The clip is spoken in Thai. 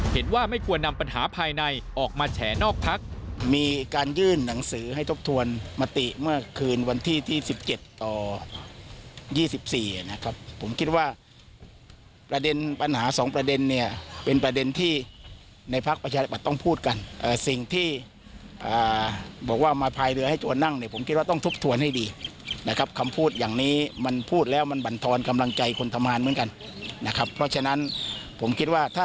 เห็นว่าไม่กลัวนำปัญหาภายในออกมาแชนนอกพัก